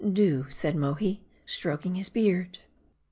" Do," said Mohi, stroking his beard.